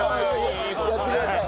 やってください。